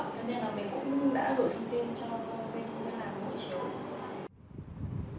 cho nên là mình cũng đã đổi thông tin cho bên làm hộ chiếu